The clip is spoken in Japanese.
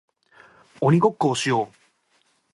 鬼ごっこをしよう